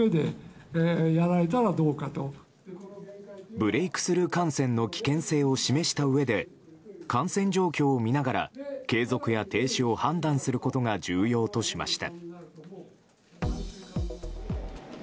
ブレークスルー感染の危険性を示したうえで感染状況を見ながら継続や停止を判断することが重要としました。